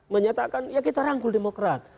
menyatakan ya kita rangkul demokrat